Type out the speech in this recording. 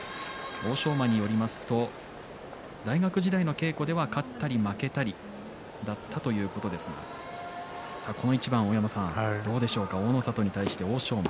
欧勝馬によりますと大学時代の稽古では勝ったり負けたりだったということですがこの一番、大山さんどうでしょうか大の里に対して欧勝馬。